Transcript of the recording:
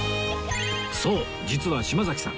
そう実は島崎さん